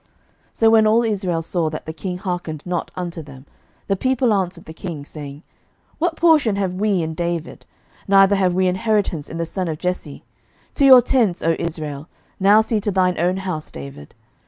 11:012:016 So when all Israel saw that the king hearkened not unto them, the people answered the king, saying, What portion have we in David? neither have we inheritance in the son of Jesse: to your tents, O Israel: now see to thine own house, David.